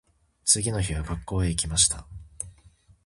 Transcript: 次の日は学校へ行きました。